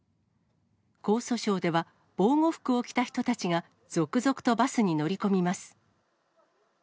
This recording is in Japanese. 江蘇省では防護服を着た人たちが、続々とバスに乗り込みます。